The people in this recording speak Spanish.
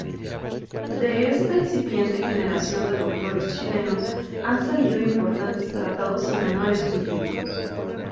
De esta incipiente generación de doctores chilenos han salido importantes tratados y manuales jurídicos.